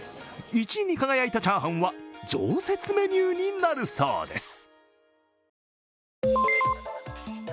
１位に輝いたチャーハンは常設メニューになるそうです。